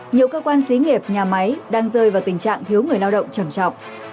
nhiều cơ quan xí nghiệp nhà máy đang rơi vào tình trạng thiếu người lao động trầm trọng